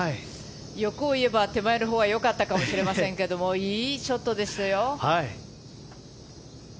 欲を言えば、手前のほうが良かったかもしれませんけどいいショットでしたよ。